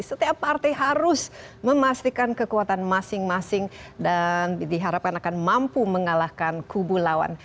setiap partai harus memastikan kekuatan masing masing dan diharapkan akan mampu mengalahkan kubu lawan